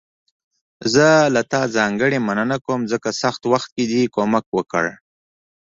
زه له تا ځانګړي مننه کوم، ځکه سخت وخت کې دې کومک وکړ.